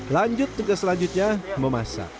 lanjut tugas selanjutnya memasak